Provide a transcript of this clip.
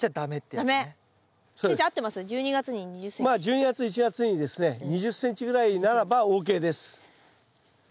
まあ１２月１月にですね２０ｃｍぐらいならばＯＫです。